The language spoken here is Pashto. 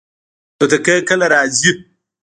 توتکۍ کله راځي؟